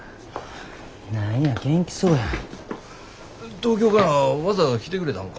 東京からわざわざ来てくれたんか？